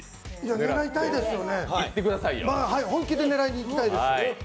狙いたいですよね、本気で狙いたいです。